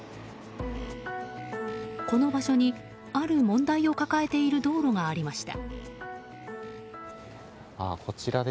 この場所にある問題を抱えている道路がありました。